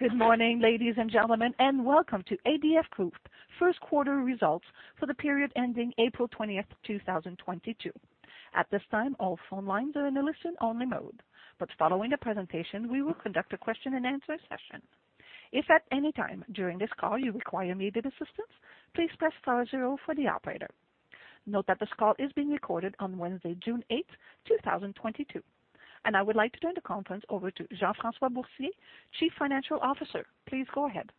Good morning, ladies and gentlemen, and welcome to ADF Group First Quarter Results for the Period Ending April 15th, 2022. At this time, all phone lines are in a listen-only mode. Following the presentation, we will conduct a question and answer session. If at any time during this call you require immediate assistance, please press star zero for the operator. Note that this call is being recorded on Wednesday, June 8th, 2022. I would like to turn the conference over to Jean-François Boursier, Chief Financial Officer. Please go ahead.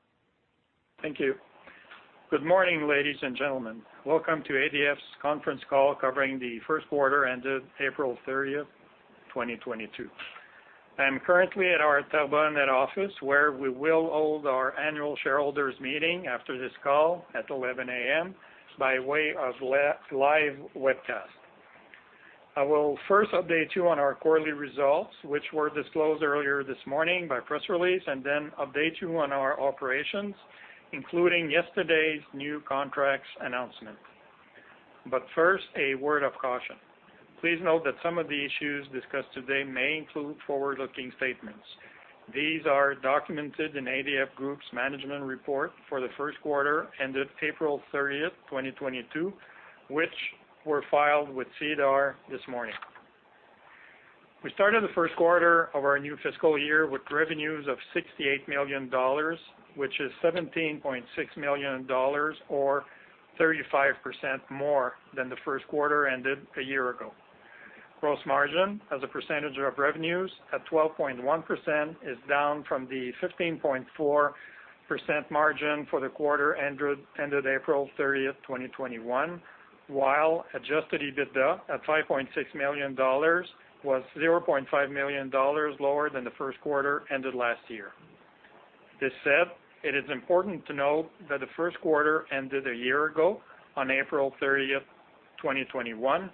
Thank you. Good morning, ladies and gentlemen. Welcome to ADF's conference call covering the first quarter ended April 30th, 2022. I'm currently at our Terrebonne office, where we will hold our annual shareholders meeting after this call at 11:00 A.M. by way of live webcast. I will first update you on our quarterly results, which were disclosed earlier this morning by press release, and then update you on our operations, including yesterday's new contracts announcement. First, a word of caution. Please note that some of the issues discussed today may include forward-looking statements. These are documented in ADF Group's management report for the first quarter ended April 30th, 2022, which were filed with SEDAR this morning. We started the first quarter of our new fiscal year with revenues of 68 million dollars, which is 17.6 million dollars or 35% more than the first quarter ended a year ago. Gross margin as a percentage of revenues at 12.1% is down from the 15.4% margin for the quarter ended April thirtieth, 2021. While adjusted EBITDA at 5.6 million dollars was 0.5 million dollars lower than the first quarter ended last year. That said, it is important to note that the first quarter ended a year ago on April thirtieth, 2021,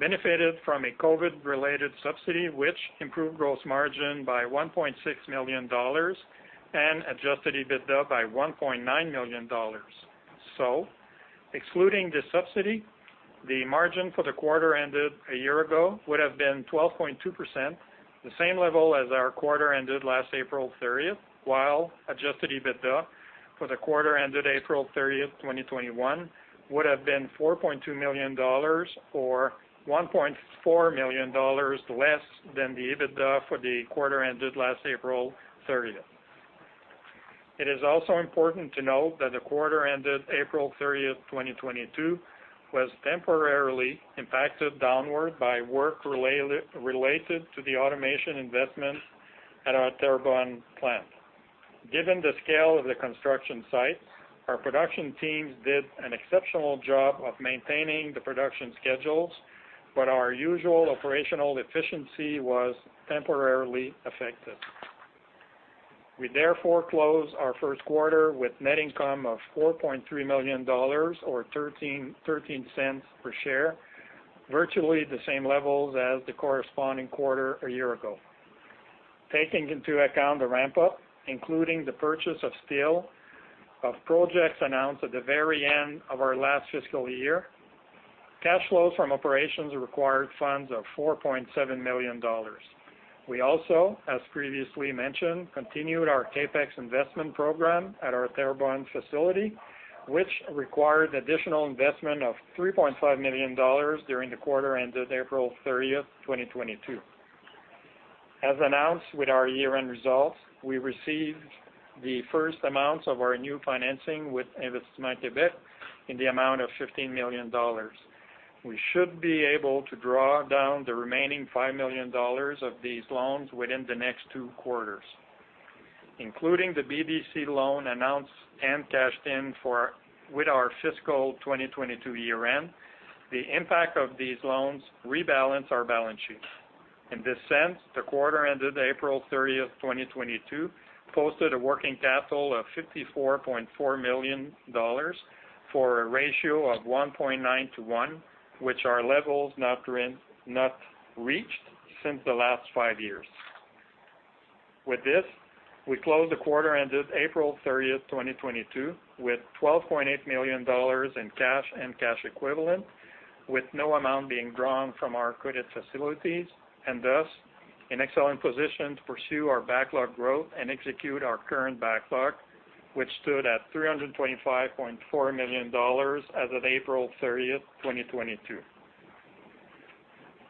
benefited from a COVID-related subsidy, which improved gross margin by 1.6 million dollars and adjusted EBITDA by 1.9 million dollars. Excluding the subsidy, the margin for the quarter ended a year ago would have been 12.2%, the same level as our quarter ended last April 30th, while adjusted EBITDA for the quarter ended April 30th, 2021, would have been 4.2 million dollars or 1.4 million dollars less than the EBITDA for the quarter ended last April 30th. It is also important to note that the quarter ended April 30th, 2022, was temporarily impacted downward by work related to the automation investment at our Terrebonne plant. Given the scale of the construction site, our production teams did an exceptional job of maintaining the production schedules, but our usual operational efficiency was temporarily affected. We therefore closed our first quarter with net income of 4.3 million dollars or 0.13 per share, virtually the same levels as the corresponding quarter a year ago. Taking into account the ramp-up, including the purchase of steel, of projects announced at the very end of our last fiscal year, cash flows from operations required funds of 4.7 million dollars. We also, as previously mentioned, continued our CapEx investment program at our Terrebonne facility, which required additional investment of 3.5 million dollars during the quarter ended April 30th, 2022. As announced with our year-end results, we received the first amounts of our new financing with Investissement Québec in the amount of 15 million dollars. We should be able to draw down the remaining 5 million dollars of these loans within the next two quarters. Including the BDC loan announced and cashed in with our fiscal 2022 year end, the impact of these loans rebalance our balance sheet. In this sense, the quarter ended April 30th, 2022, posted a working capital of 54.4 million dollars for a ratio of 1.9 to 1, which are levels not reached since the last five years. With this, we closed the quarter ended April 30th, 2022, with 12.8 million dollars in cash and cash equivalents, with no amount being drawn from our credit facilities, and thus in excellent position to pursue our backlog growth and execute our current backlog, which stood at 325.4 million dollars as of April 30th, 2022.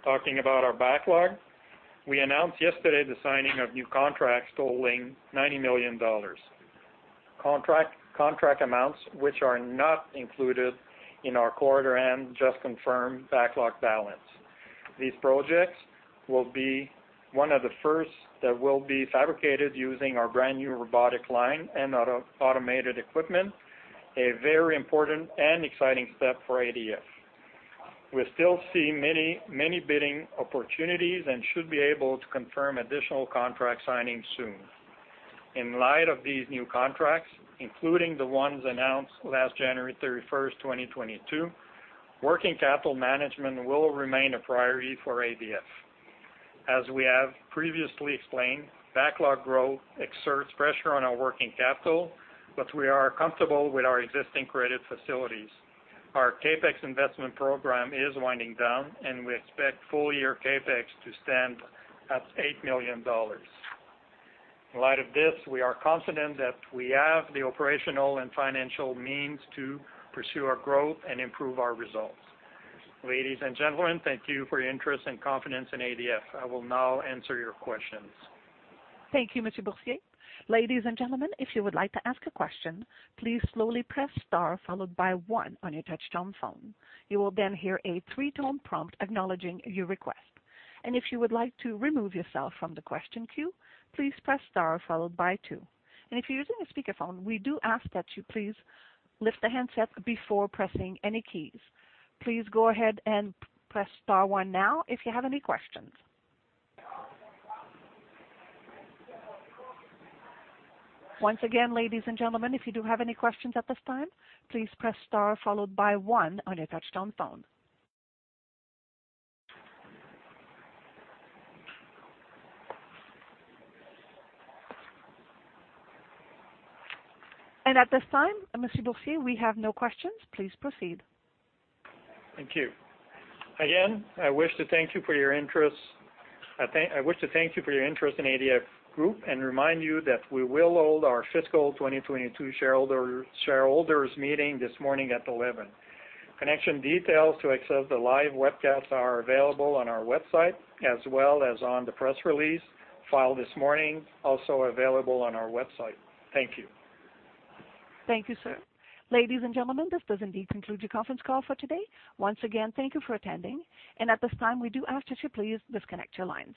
Talking about our backlog, we announced yesterday the signing of new contracts totaling 90 million dollars. Contract amounts which are not included in our quarter and just confirmed backlog balance. These projects will be one of the first that will be fabricated using our brand-new robotic line and automated equipment, a very important and exciting step for ADF. We still see many, many bidding opportunities and should be able to confirm additional contract signing soon. In light of these new contracts, including the ones announced last January 31st, 2022, working capital management will remain a priority for ADF. As we have previously explained, backlog growth exerts pressure on our working capital, but we are comfortable with our existing credit facilities. Our CapEx investment program is winding down and we expect full-year CapEx to stand at 8 million dollars. In light of this, we are confident that we have the operational and financial means to pursue our growth and improve our results. Ladies and gentlemen, thank you for your interest and confidence in ADF. I will now answer your questions. Thank you, Mr. Boursier. Ladies and gentlemen, if you would like to ask a question, please slowly press star followed by one on your touchtone phone. You will then hear a three-tone prompt acknowledging your request. If you would like to remove yourself from the question queue, please press star followed by two. If you're using a speakerphone, we do ask that you please lift the handset before pressing any keys. Please go ahead and press star one now if you have any questions. Once again, ladies and gentlemen, if you do have any questions at this time, please press star followed by one on your touchtone phone. At this time, Mr. Boursier, we have no questions. Please proceed. Thank you. Again, I wish to thank you for your interest. I wish to thank you for your interest in ADF Group and remind you that we will hold our fiscal 2022 shareholders meeting this morning at 11:00 A.M. Connection details to access the live webcast are available on our website as well as on the press release filed this morning, also available on our website. Thank you. Thank you, sir. Ladies and gentlemen, this does indeed conclude your conference call for today. Once again, thank you for attending. At this time, we do ask that you please disconnect your lines.